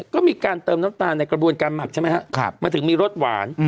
ก็มีการเติมน้ำตาลในกระบวนการหมักใช่ไหมครับมันถึงมีรสหวาน